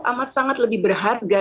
amat sangat lebih berharga